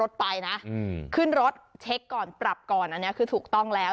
จริงก็ต้องระมัดระวังกันด้วย